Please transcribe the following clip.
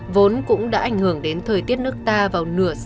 vốn cũng đã ảnh hưởng đến thời tiết nước ta